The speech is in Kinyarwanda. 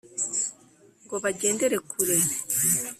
ngo bagendere kure,